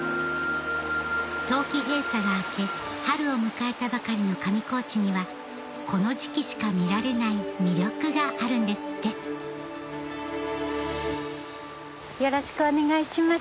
冬季閉鎖が明け春を迎えたばかりの上高地にはこの時季しか見られない魅力があるんですってよろしくお願いします。